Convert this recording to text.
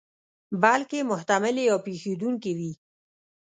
بلکې محتملې یا پېښېدونکې وي.